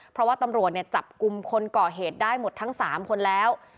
เพราะว่าตำรวจจับกลุ่มคนก่อเหตุได้หมดทั้ง๓คนแล้ว